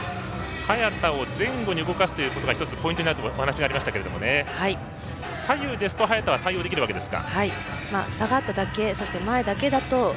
早田を前後に動かすというのがポイントになるとお話ありましたが左右ですと早田は対応できるわけですか。